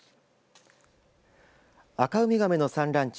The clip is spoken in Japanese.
アカウミガメの産卵地